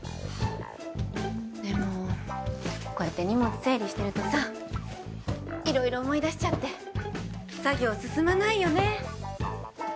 でもこうやって荷物整理してるとさいろいろ思い出しちゃって作業進まないよね。